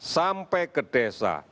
sampai ke desa